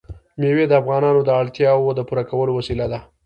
مېوې د افغانانو د اړتیاوو د پوره کولو وسیله ده.